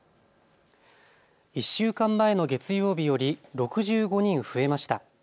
１週間前の月曜日より６５人増えました。